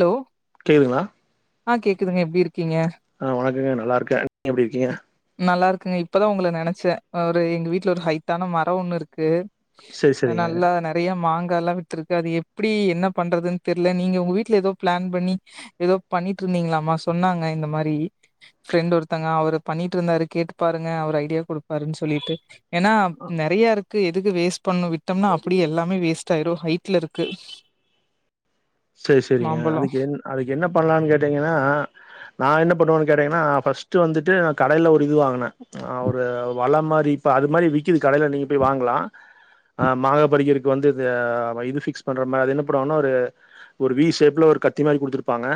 Hello கேதுங்ளா ஆ கேக்குதுங்க எப்டி இருக் கீங்க வணக்கங்க நல்லா இருக்கே நீங்க எப்டி இருக்கீங்க உ நல்லா இருக்கங்க இப்பதா ஒங்கள நென ச்ல ஒரு எங்க வீட்ல ஒரு ஹைட்டான மரோ ஒண்ணு இருக்கு செரி செரிங்க நல்லா நெறையா மாங் காலா விட்ருக்கு அது எப்டி என்ன பண்றதுன்னு தெரில நீங்க உங்க வீட்ல ஏதோ பிளான் பண்ணி ஏதோ பண்ணிட்டு இருந்தீங்களாமா சொன்னாங்க இந்த மாரி ஃப்ரெண்ட் ஒருத்தங்க அவரு பண்ணிட்டு இருந்தாரு கேட்டு பாருங்க அவர் ஐடியா குடுப்பாருனு சொல்லிட்டு ஏனா நெறையா இருக் கு எதுக்கு வேஸ்ட் பண்ணு விட்டம்னா அப்டியே எல்லாமே வேஸ்ட் ஆயிரு ஹை ட்ல இருக்கு செரி செரிங்க மாம்பழோ அதுக்கு என் அதுக்கு என்ன பண்லானு கேட் டீங்கனா நா என்ன பண்ணுவேனு கேட்டீங்கனா ஃபஸ்டு வந்துட்டு நா கடைல ஒரு இது வாங்குனே ஆ ஒரு அவ் வள மாரி இப்போ அது மாரி விக்குது கடையில நீங்க போய் வாங்கலா மாங்கா பரிக்கிறக்கு வந்து இது ஃபிக்ஸ் பண்ற மா அது என்ன பண்ணுவாங்கனா ஒரு ஒரு வி ஷேப்ல ஒரு கத்தி மாரி குடுத்துருப்பாங்க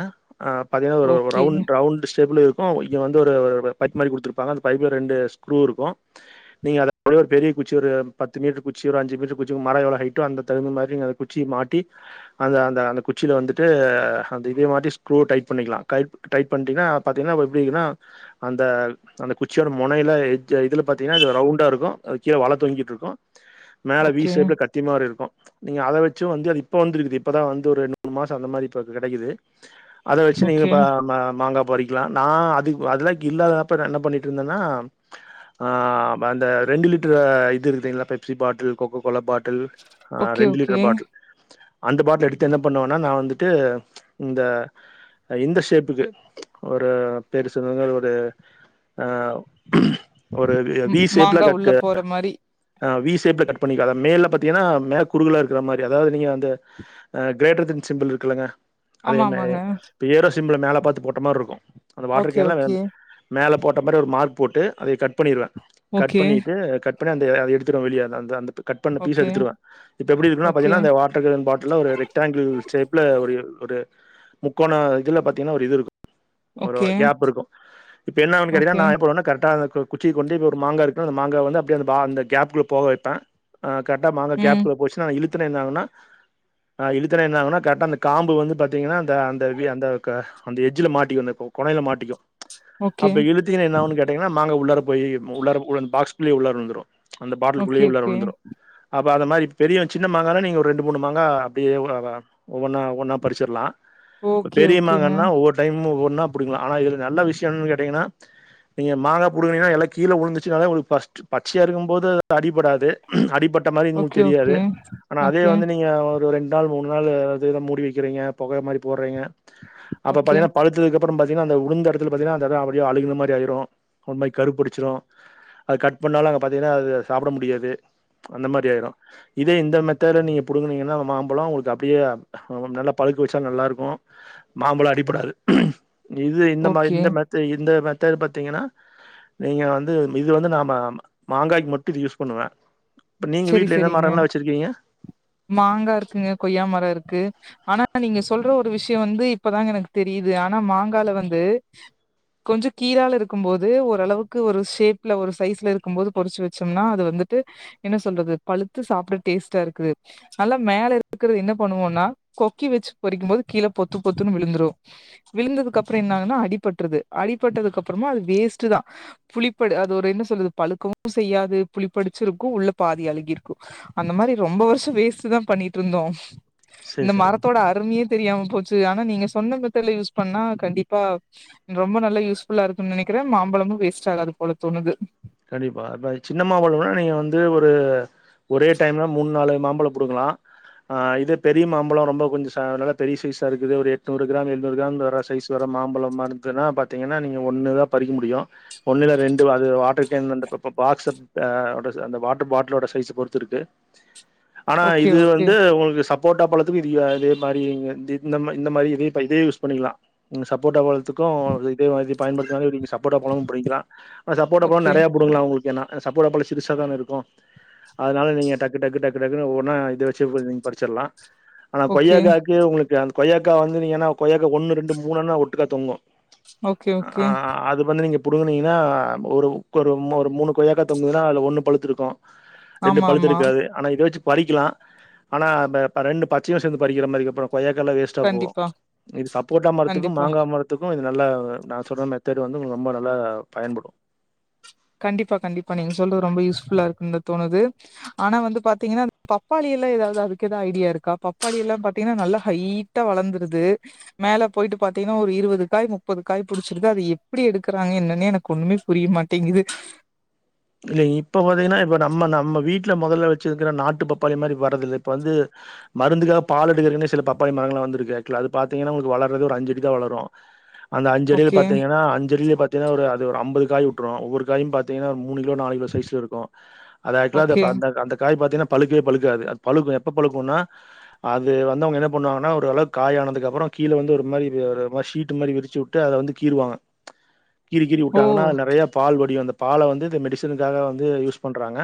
ஆ பாத்தீங்னா ஒரு ஓகே ரவு ரவுண்ட் ஷேப்லருக் கு இங்க வந்து ஒரு பைப் மாரி குடுத்துருப்பாங்க அந்த பைப்ல ரெண்டு ஸ்க்ரு இருக்கு நீங்க அது அப்டியே ஒரு பெரிய குச்சி ஒரு பத்து மீட்ரு குச்சு ஒரு அஞ்சு மீட்ரு குச்சு மரோ எவ்ளோ ஹைட்டோ அந்த தகுந்த மாரி குச்சி மாட்டி அந்த அந்த அந்த குச்சில வந்துட்டு அந்த இதே மாட்டி ஸ்க்ரூ டைட் பண்ணிக்கலா கைட் டைட் பண்ட்டீங்னா பாத்தீங்னாப்ப எப்டி இருக்கூனா அந்த அந்த குச்சியோட மொனையில எஜ் இதுல பாத்தீங்கனா இது ரவுண்டா இருக்கு அது கீழ வல தொங்கிட்டு இருக்கு மேல வீ ஓகே சேப்புல கத்தி மாரி இருக்கு நீங்க அத வச்சு வந்து அது இப்ப வந்துருக்குது இப்பதா வந்து ஒரு ரென்டுமூணு மாசோ அந்த மாரி இப்ப கெடக்குது அத வச்சு நீங்க ஓகே பா மா மாங்கா பறிக்கலா நா அதுக் அதுதா இல்லாதப்ப நா என்ன‌ பண்ணிட்ருந்தேன்னா ஆ ஆ அந்த ரெண்டு லிட்டரு இது இருக் லா Pepsi bottle Coca-Cola bottle ஆ ஓகே ரெண்டு லிட்டரு ஓகே பாட்டில் அந்த பாட்டில் எடுத்து என்ன பண்ணுவோன்னா நா வந்துட்டு இந்த இந்த ஷேப்புக்கு ஒரு பேரு சொல்லுங்க ஒரு ஆ ஒரு வி வி ஷேப்லா மாங்கா உள்ள கட்டு போற மாரி ஆ வி சே கேக்கு கட் பண்ணி. அத மேல பாத்தீங்கன்னா மே குறுகலா இருக்கற மாரி அதாவது நீங்க அந்த அ கிரேட்டர்தன் சிம்புள் இருக்குலங்க ஆமா அதேமே ஆமாங்க. இது ஏரோஸ் சிம்பள மேல பாத்து போட்ட மாரி இருக்கும். அந்த வாட்ரு ஓகே, கேன்லா அ ஓகே. மேலப் போட்ட மாரி ஒரு மார்க் போட்டு அத கட் பண்ணிருவே கட் ஓகே, பண்ணிட்டு கட் அப்டிய அந்த அத எடுத்துடுவே வெளிய அந்த அந்த கட் பண்ண பீஸ ஓகே, எடுத்துருவ இப்ப எப்டி இருக்குன அப் ஓகே, பாதீகன்னா இந்த வாட்ருகேன் பாட் ன ஒரு ரெக்டாங்குள் ஷேப்ல ஒரு ஒரு முக்கோண இதுல பாத்தீங்கனா இது இருக் ஒரு ஓகே, ஒரு கேப் இருக்கோ இப்ப என்ன ஆவுன் கேட்டீங்கனா ஓகே. நா எப்பவுனா கரெக்டா அத இப்ப குச்சிய கொண்டு இப்ப ஒரு மாங்கா இருக்கு அந்த மாங்காவ வந்து அப்டியே அந்த பா அந்த கேப்குள்ள போக வைப்பே. ஆ கர்ட்டா மாங்கா ம். கேப்குள்ள போச்சினா இலுக் அப்புற என்னங்கன்ன ஆ இழுத்தன என்ன ஆகுன்னா கரெக்டா அந்த காம்பு வந்து பாத்தீங்கனா அந்த அந்த வி அந்த க அந்த எஜ்ல மாட்டிகும் அந்த கொனையல மாட்டிகும் ஓகே, அப்ப இழுத்தீங்னா என்ன ஆவுன் கேட்டீங்கனா மாங்கா உள்ளாற போயி உள்ளாரக்குள அந்த பாக்ஸ்குல்லியே உள்ளார வந்துரும் அந்த ஓகே, பாட்லுக்குள்ளயே உள்ளார ஓகே. வந்துரும் அ இப்ப அது. மாரி பெரிய சின்ன மாங்கான நீங்க ரெண்டு மூணு மாங்க அப்டியே வ வ ஒவ்வொன்னா-ஒவ்வொன்னா பறிச்சிடலா ஓகே, பெரிய ஓகேங்க. மாங்கானா ஒவ்வொரு டைம் ஒவ்வ நா புடுங்கல ஆன இதுல நல்ல விஷய என்னானு கேட்டீங்கனா நீங்க மாங்கா புடுங்கனீங்கனா எல்லா கீல உழுந்துச்சினாலே பஸ்டு பச்சயா இருக்கும்போது அடிபடாது அடிபட் டா மாரி உங்களுக் ஓகே, தெரியாது ஓகே. ஆனா அதே ஓகே, வந் நா ஒரு ரெண் நாள் மூண் நாள் அது மூடி வைக்கிறீங்க பொகை மாரி போடுறீங்க அப்ப ஓகே, பாத்தீங்கனா பலுத்துக்க அப்புற பாத்தீங்கனா அந்த உளுந்த இடத்துல பாத்தீங்கனா அந்த இடம் அப்படியே அலுகுன மாரி ஆயிடோ ஒரு மாரி கருபுடிச்சிடோ அத கட் பண்ணாலு அங்க பாத்தீங்கன்னா அத சாப்பட முடியாது அந்த மாரி ஆயிரும் இதே இந்த மெத்தட நீ புடுங்கனீங்கன்னா ந்த மாம்பழம் உங்களுக்கு அப்டியே நல்லா பழுக்க வச்ச நல்லா இருக்கும் மாம்பழம் அடிப்படாது இது இந்த மாரி ஓகே. இந்த மெத்த இந்த மெத் தட் பாத்தீங்கன்னா நீங்க வந்து இது வந்து நாம மாங்காய்க்கு மட்டும் இத யூஸ் பண்ணுவே இப்ப நீங்க சரி, வீட்ல என்ன சரிங்க. மரல்லா வச்சுருக்கீங்க? மாங்கா இருக்குங்க கொய்யா மர இருக்கு ஆனா நீங்க சொல்ற ஒரு விஷ்ய வந்து இப்பதாங்க எனக்கு தெரியிது ஆனா மாங்கால வந்து கொஞ்ச கீழால இருக்கும்போது ஓரளவுக்கு ஒரு ஷேப்ல ஒரு சைஸ்ல இருக்கும்போது பொறுச்சு வச்சொம்னா அது வந்துட்டு என்ன சொல்றது பழுத்து சாப்ட டேஸ்டா இருக்குது நல்லா மேல இருக்கிறத என்ன பண்ணுவோனா கொக்கி வச்சு பறிக்கும் போது கீழ பொத்து பொத்துனு விழுந்துரு விழுந்ததுக்கப்றொ என்ன ஆகுன்னா அடிபட்ருது அடி பட்டதுக்கப்றமா அது வேஸ்டுதா புளிப்படு அது ஒரு என்ன சொல்றது பழுக்கவு செய்யாது புளிப்படுச்சிருக்கு உள்ள பாதி அழுகிருக்கு அந்த மாரி ரொம்ப வர்ஷொ வேஸ்ட்டு தா பண்ணிட்ருந்தோ செரி இந்த செரிங்க மரத்தோட அருமையே தெரியாம போச்சு ஆனா நீங்க சொன்ன மெத்தட்ல யூஸ் பண்ணா கண்டிப்பா ரொம்ப நல்ல யூஸ்ஃபுல்லா இருக்குன் நெனைக்கிறே மாம்பழமு வேஸ்ட் ஆகாது போல தோணுது கண்டிப்பா இப்ப சின்ன மாம்பழம்னா நீங்க வந்து ஒரு ஒரே டைம்ல மூணு நாலு மாம்பழம் புடுங்கலா ஆ இது பெரிய மாம்பழொ ரொம்ப கொஞ்ச ச நல்லா பெரிய சைஸா இருக்குது ஒரு எட்நூறு கிராம் எழ்நூறு கிராம் வர சைஸ் வர மாம்பழம்மா இருந்துதுனா பாத்தீங்கனா நீங்க ஒன்னுதா பறிக்க முடியு ஒன்னுல ரெண்டு அது வாட்ட கேன் அந்த ப‌ ப பாக்ஸ அ ஒட அந்த வாட்டர் பாட்டிலோட சைஸ பொறுத்து இருக்கு ஆனா ஓகே இது ஓகே வந்து ஒங்களுக்கு சப் சப்போட்டா பழத்துக்கு இதுய இதே மாரி இங்க தி இந்த மா இந்த மாரி இதே ப இதே யூஸ் பண்ணிக்கலா இந்த சப்போட்ட பழத்துக்கு இதே மாரி பயன்படுத்துனாவே சப்போட்டா பழமு புடிங்கிக்லா அ சப் இப்போ ஓகே நெறைய புடுங்களா உங்களுக்கென்னா அ சப்போட்டாப்பழொ சிறுசா தான இருக்கு அதுனால நீங்க டக்கு டக்கு டக்கு‌ டக்குனு ஒவ்வொன்னா இத வச்சே ப‌ நீங்க படுச்சிட்லா ஆனா ஓகே கொய்யாக்காக்கு உங்களுக்கு அ கொய்யாக்கா வந்து நீங்கனா கொய்யாக்கா ஒன்னு ரெண்டு மூனுன்னு ஒட்டுக்கா தொங்கு ஓகே ஓகே ஆ‌ அது வந்து நீங்க புடுங்குனிங்கனா ஒரு கொரு மொ ஒரு மூணு கொய்யாக்கா தொங்குதுனா அதுல ஒன்னு பழுத்துருக்கு ரெண்டு ஆமா ஆமா பழுத்துருக்காது ஆனா இத வச்சு பறிக்கலா ஆனா ப ப ரெண்டு பச்சையு சேந்து பறிக்கிற மாரிகு அப்பொ கொய்யாக்கால்லா வேஸ்ட்டா போவு கண்டிப்பா இது சப்போட்டா மரத்துக்கு கண்டிப்பா மாங்கா மரத்துக்கு இது நல்லா நா சொல்ற மெத்தடு வந்து ஒங்கள் ரொம்ப நல்லா பயன்படு கண்டிப்பா கண்டிப்பா நீங்க சொல்றது ரொம்ப யூஸ்ஃபுல்லா இருக்கும் தா தோணுது ஆனா வந்து பாத்தீங்கனா இந்த பப்பாளி எல்லா எதாவ்து அதுக்கெது ஐடியா இருக்கா பப்பாளி எல்லா பாத்தீங்கனா நல்லா ஹைட்டா வளந்துருது மேல போயிட்டு பாத்தீங்கனா ஒரு இருவது காய் முப்பது காய் புடுச்சிருது அது எப்டி எடுக்குறாங்க என்னன்னே எனக்கு ஒன்னுமே புரியமாட் டிங்கிது இல்ல இப்ப பாத்தீங்கனா இப்ப நம்ம நம்ம வீட்ல மொதல்ல வச்சுருக்குற நாட்டு பப்பாளி மாரி வரதில்ல இப்ப வந்து மருந்துக்காக பால் எடுக்குறக்குன்னே சில பப்பாளி மரங்களா வந்துருக்கு [unintelligible] அது பாத்தீங்கனா உங்களுக்கு வளர்றது ஒரு அஞ்சடிதா வளரு அந்த அஞ்சடில ஓகே பாத்தீங்கன்னா அஞ்சடில பாத் தினா ஒரு அது ஒரு அம்பது காய் வுட்ரு ஒவ்வொரு காயும் பாத்தீங்கன்னா மூ மூணு கிலோ நாலு கிலோ சைஸ்ல இருக்கு அது ஆக்ட்லா அத ஓகே ப அந்த காய் பாத்தினா பழுக்கவே பழுக்காது அது பழுக்கு எப்ப பழுக்குன்னா அது வந்து அவுங்க என்ன பண்ணுவாங்கனா ஒரு அளவுக்கு காயானதுக்கப்றொ கீழ வந்து ஒரு மாரி ஒரு மாரி ஷீட்டு மாரி விரிச்சு வுட்டு அத வந்து கீறுவாங்க கீறி கீறி ஓ வுட்டாங்கன்னா அ நறைய பால் வடியு அந்த பால வந்து மெடிசனுக்காக வந்து யூஸ் பண்றாங்க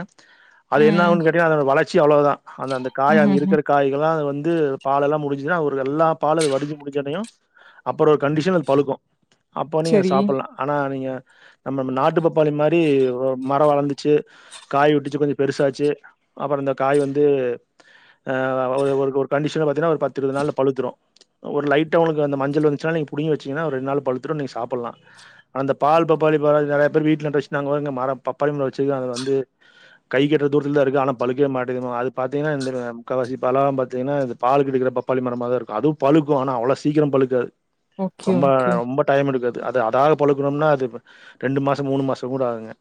அது ம். என்னாவுன் கேட்டினா அதோட வளர் ச்சி அவ்ளொ தா அந்த அந்த காய் அங்க ம்ஹ்ஹ்ம். இருக்கிற காய்களா அத வந் து பால் எல்லா முடிஞ்சதுன்னா ஒரு எல்லா பால் அது வடுஞ்சு முடுஞ்சோனயு அப்பற ஒரு கண்டிஷன் அது பழுக்கு அப்போ நீங்க அத சரி. சாப்புல்லா ஆனா நீங்க நம்மம்ம நாட்டு பப்பாளி மாரி யோ மரோ வளந்துச்சு காய் உட்டுச்சு கொஞ்ச பெருசாச்சு அப்புற இந்த காய் வந்து ஒரு ஒரு ஒர் கண்டிஷனா பாத்தீன்னா ஒரு பத்து இருவது நாள்ல பழுத்துரு ஒரு லைட்டா உவங்களுக்கு அந்த மஞ்சள் வந்துச்சுன்னா நீங்க புடுங்கி வெச்சிங்கன்னா ஒரு ரெண்டு நாள்ல பழுத்துரு நீங்க சாப்புல்லா அந்த பால் பப்பாளி பழோ நெறைய பேர் வீட்ல நட்டு வெச்சு நாங்க வாருங்க மரம் பப்பாளி மரோ வெச்சிருக்க அத வந்து கை கெட்ற தூரத்துலதா இருக்கு ஆனா பழுக்கவே மாட்டேங்குதுமா அது பாத்தீங்கன்னா இந்த முக்காவாசி பழோம் பாத்தீங்கன்னா இந்த பாலுக்கு எடுக்குற பப்பாளி மரமாதா இருக்கு அதுவு பழுக்கும் ஆனா அவ்வளோ சீக்கிரம் பழுக்காது ஓகே, ரொம்பா ஓகே. ரொம்ப டைம் எடுக்கு அது அது அதாக பழுக்கணும்னா அது ப்ப ரெண்டு மாசோ மூணு மாசோ கூட ஆகுங்க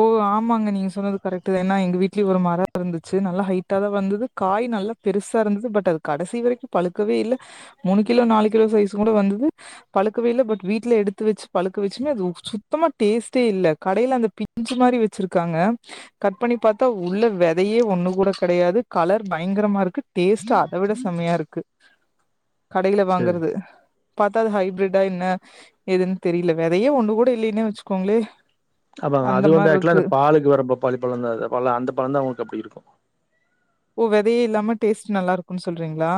ஓ ஆமாங்க நீங்க சொன்னது கரெட்டுதா ஏன்னா எங்க வீட்லியு ஒரு மரோ இருந்துச்சு நல்லா ஹைட்டாதா வந்துது காய் நல்லா பெருசா இருந்துது பட் அது கடசி வரைக்கு பழுக்கவே இல்ல மூணு கிலோ நாலு கிலோ சைஸ் கூட வந்துது பழுக்கவே இல்ல பட் வீட்லே எடுத்து வெச்சு பழுக்க வெச்சுமே அது சுத்தமா டேஸ்ட்டே இல்ல கடைல அந்த பி பிஞ்சு மாரி வெச்சுருக்காங்க கட் பண்ணி பாத்தா உள்ள விதையே ஒன்னு கூட கெடையாது கலர் பயங்கரமாக இருக்கு டேஸ்டு அத விட செமையா இருக்கு கடைல சரி. வாங்குறது பாத்தா அது ஹைஃப்ரெட்டா என்ன ஏதுன் தெரியில வெதையே ஒண்ணு கூட இல்லீன்னே வெச்சுக்கோங்ளே அப்பாங்க அது வந்து ஏக்சுவல்ல அந்த பாலுக்கு வர பப்பாளி பழந்தா அது இருக்குல அந்த பழந்தா அவங்களுக்கு அப்டி இருக்கு ஓ வெதையே இல்லாம டேஸ்ட் நல்லா இருக்கும்ன் சொல்றீங்களா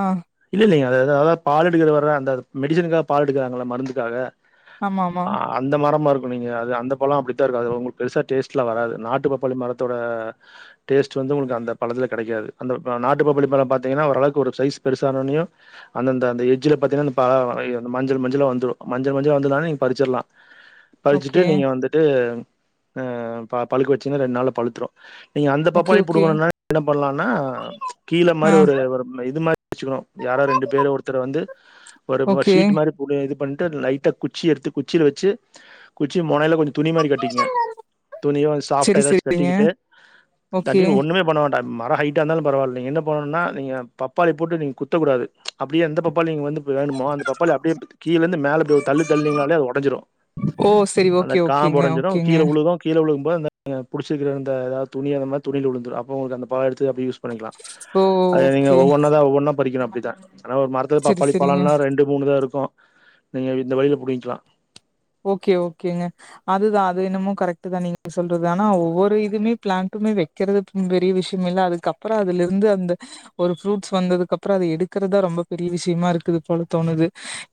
இல்ல இல்லங்க அதாவ பால் எடுக்குற வர்ற அந்த மெடிசனுக்காக பால் எடுக்குறாங்கள மருந்துக்காக ஆமா ஆமா ஆ அந்த மரமா இருக் உனிங்க அது அந்த பழோ அப்டித்தா இருக்காது உங்களுக் பெருசா டேஸ்ட்லா வராது நாட்டுப் பப்பாளி மரத்தோட டேஸ்ட்டு வந்து உங்களுக்கு அந்த பழத்துல கெடைக்காது அந்த நாட்டுப் பப்பாளி மரோம் பாத்தீங்கன்னா ஒரளவுக்கு ஒரு சைஸ் பெருசானொனையோ அந்தந்த அந்த எஜ்ஜில பாத்தீங்கன்னா அ மஞ்சள் மஞ்சள் வந்துடு மஞ்சள் மஞ்சளா வந்துதானே நீங்க பருச்சுருலா பருச்சுட்டு ஓகே நீங்க வந்துட்டு ஆ ப பழுக்க வெச்சீங்கன்னா ரெண்டு நாள்ள பழுத்துரு நீங்க அந்த ஓகே பப்பாளி ஓகே புடுங்கோணுன்னா என்ன பண்லானா கீழ ஆ மாரி ஒரு ஒரு இத் வெச்சுக்கோ யாரோ ரெண்டு பேரு ஒருத்தர வந்து ஒரு ஓகே சீட் மாரி போட்டு இது பண் கிட்ட லைட்டா குச்சி எடுத்து குச்சில வெச்சு குச்சி மொனைல கொஞ் துணி மாரி கட்டிக்கங்க துணியோ ஸ்சாப்டா செரி இதா வெச்சு செரிங்க கட்டிக்கிட்டு ஓகே தட்டுங்க ஒண்ணுமே பண்ணமாட்டாங்க மரோ ஹைட்டா இந்தாலு பரவால்லிங்க என்ன பன்னுன்னா நீங்க பப் பாளி போட்டு நீங்க குத்தக்கூடாது அப்டியே அந்த பப் பப்பாளி வந்து வேணுமோ அந்த பப்பாளி அப்டியே கீழ இருந்து மேலே தள்ளி தள்னிங்னாலே அது ஒடஞ்சுரு ஓ செரி அந்த ஓகே காம்பு ஓகேங்க ஒடஞ்சது ஓகேங்க கீழ உழுகு கீழ உழுந் போ இந்த புழுச்சுக்குறது அந்த துணில அந்த மாரி துணில உழுந்துரு அப்போ உங்குளுக்கு அந்த பழோ எடுத்து அப்டி யூஸ் பண்ணிக்கலா ஓ அது நீங்க ஓகே ஒவ்வொன்னு தா ஒவ்வொன்னா பறிக்குறோ அப்டித்தா ஆனா ஒரு மரத்துல செரி பப்பாளி செரிங்க பழோன்னா ரெண்டு மூணுதா இருக்கோ நீங்க இந்த வழில புடிங்க்லா ஓகே ஓகேங்க அதுதா அது என்னமோ கரெக்டுதா நீங்க சொல்றது ஆனா ஒவ்வொரு இதுமே பிளான்டுமே வெக்கிறது பெரிய விஷ்யோம் இல்ல அதுக்கப்பறோ அதுல இருந்து அந்த ஒரு ஃப்ரூட்ஸ் வந்ததுக் அப்பறோ அது எடுக்குறதா ரொம்ப பெரிய விஷ்யமா இருக்குது போல தோணுது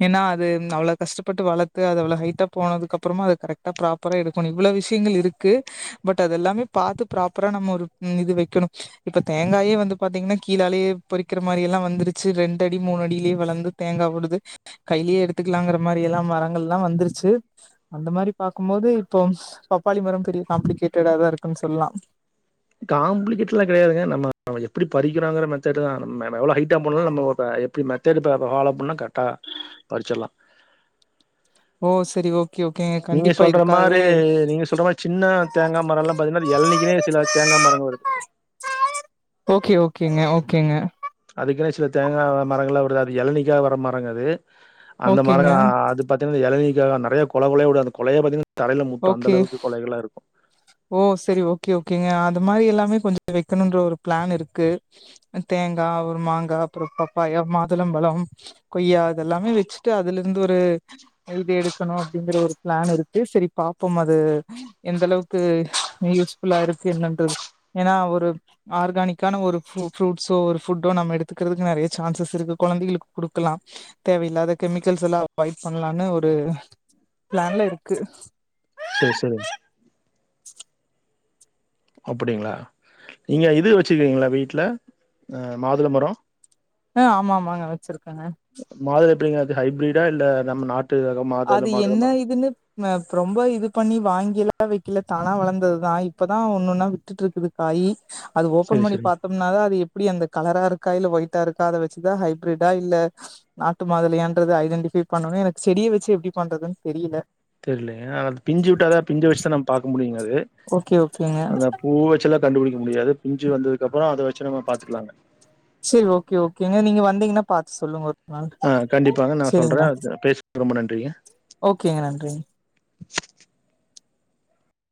ஏன்னா அது அவ்வளவு கஷ்டப்பட்டு வளத்து அத அவ்வள ஹைட் போனதுக்கு அப்பறமா கரெக்டா ஃப்ராப்பரா எடுக்கோனு இவ்வளவு விஷ்யங்கள் இருக்கு பட் அதெல்லாமே பாத்து ஃப்ராப்பரா நம்ம ஒரு இது வெக்கணு இப்ப தேங்காயே வந்து பாத்தீங்கன்னா கீழாலயே பறிக்கிற மாரி எல்லாம் வந்துருச்சு ரெண்டு அடி மூணு அடிலயே வளந்து தேங்கா வுடுது கைலியே எடுத்துக்கலாங்கற மாரி எல்லா மரங்கள் எல்லா வந்துருச் சு அந்த மாரி பாக்கும்போது இப்போம் பப்பாளி மரம் பெரிய காம்ப்ளிகேட்டடாதா இருக்குன் சொல்லா காம்ப்ளிகேட்லா கெடையாதுங்க நம்ம எப்படி பறிக்கிறாங்குற மெத்தடுதா நம்ம எவ்வளவு ஹைட்டா போனாலு நம்ம எப்படி மெத்தடு ஃப்லோ பண்ணா கரெட்டா பருச்சுருலா ஓ செரி ஓக் நீங்க சொல்ற மாரி நீங்க சொல்ற மாரி சின்ன தேங்கா மரோ எல்லா பாத்தீங்கன்னா எல்னிக்குனே சில தேங்கா மரோம் வருது ஓகே ஓகேங்க ஓகேங்க அதுக்குனே சில தேங்கா மரங்கலா விடுது அது எளனிக்கா வர மரங்க அது அந்த ஓகேங்க மரோ அது பத் [unintelligible] ஏளனிக்காக நெறையா கொல கொலயா விடோ அந்த கொலயே பாத்தீங் ஓகே ஓ செரி ஓகே ஓகேங்க இந்தமாரி எல்லாமே கொஞ்சோ வெக்கணோன்ற ஒரு பிளான் இருக்கு தேங்கா ஒரு மாங்கா அப்பறோ பப்பாயா மாதுளம்பலம் கொய்யா அதெல்லாமே வச்சுட்டு அதுலருந்து ஒரு எழுதி எடுக்கணோ அப்டிங்கற ஒரு பிளான் இருக்கு செரி பாப்போம் அது எந்த அளவுக்கு யூஸ்ஃபுல்லா இருக்கு என்னன்றது ஏனா ஒரு ஆர்கானிக்கான ஒரு ஃப்ரு ஃப்ரூட்ஸோ ஒரு ஃபுட்டோ நம்ம எடுத்துக்கறதுக்கு நெறைய சான்சஸ் இருக்கு கொழந்தைகளுக்கு குடுக்கலா தேவயில்லாத கெமிக்கல்ஸ் எல்லா அவாய்ட் பண்ணலான்னு ஒரு பிளான்ல இருக்கு செரி செரி அப்படிங்களா நீங்க இது வச்சுக்கீங்களா வீட்ல அ மாதுள மரோ ஆ ஆமாமாங்க வச்சிரு பங்க [unintelligible] அது ஹைபிரிடா இல்ல நம்ம நாட் அது என்ன இதுனு ம்ம ரொம்ப இது பண்ணி வாங்கிலா வெக்கில தானா வளந்ததுதா இப்பதா ஒன்னொன்னா விட்டுட்ருக்குது காயி அது ஓபன் சரி, பண்ணி சரி. பாத்தோம்னா தா அது எப்டி அந்த கலரா இருக்கா இல்ல ஒயிட்டா இருக்கா அத வச்சுதா ஹைப்ரிடா இல்ல நாட்டு மாதுளையான்றது ஐடெண்டிஃபை பண்னணு எனக்கு செடிய வச்சு எப்டி பண்றதுனு தெரியல தெரிலயா அது பிஞ்சு விட்டாதா பிஞ்ச வச்சுதா நம்ம பாக்க முடியுங்க அது ஓகே ஓகேங்க அந்த பூ வச்செல்லாம் கண்டுபிடிக்க முடியாது பிஞ்சு வந்ததுக்கு அப்றோ அத வச்சு நம்ம பாத்துக்கலாங்க செரி ஓகே ஓகேங்க நீங்க வந்தீங்கனா பாத்து சொல்லுங்க ஒரு நாள் ஆ கண்டிப்பாங்க நா சொல்றே செரிங்களா பேச் [inaudible] ரொம்ப நன்றிங்க ஓகேங்க நன்றிங்க